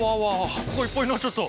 箱がいっぱいになっちゃった！